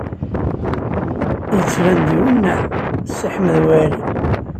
Yettban-d iwenneɛ Si Ḥmed Waɛli.